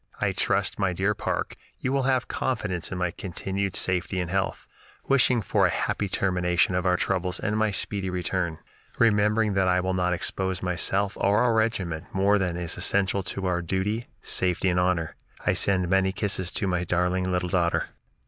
I trust, my dear Parke, you will have confidence in my continued safety and health, wishing for a happy termination of our troubles and my speedy return, remembering that I will not expose myself or our regiment more than is essential to our duty, safety, and honor. I send many kisses to my darling little daughter."